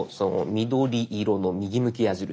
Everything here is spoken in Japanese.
緑色の右向き矢印。